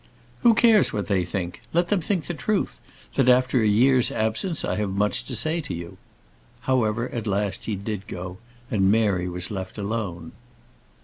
"Who cares what they think? Let them think the truth: that after a year's absence, I have much to say to you." However, at last, he did go, and Mary was left alone.